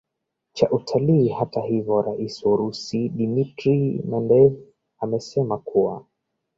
cha utalii hata hivyo rais wa urusi dmitry mendeveev amesema kuwa